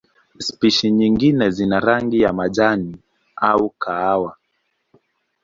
Spishi nyingine zina rangi ya majani au kahawa.